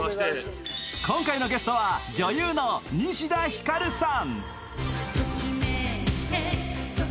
今回のゲストは女優の西田ひかるさん。